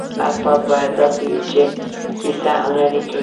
الفاظ باید داسې وي چې کیسه هنري کړي.